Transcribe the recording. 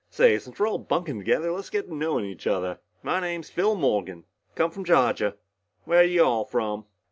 "Say, since we're all bunkin' togethuh, let's get to knowin' each othuh. My name's Phil Morgan, come from Georgia. Where you all from?"